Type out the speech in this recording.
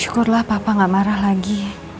syukurlah papa gak marah lagi